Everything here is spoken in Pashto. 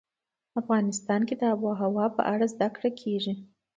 افغانستان کې د آب وهوا په اړه زده کړه کېږي.